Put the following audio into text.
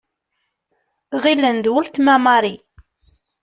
Ɣilen d uletma Marie.